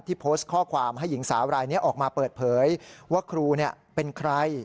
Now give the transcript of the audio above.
โพสต์ข้อความให้หญิงสาวรายนี้ออกมาเปิดเผยว่าครูเป็นใคร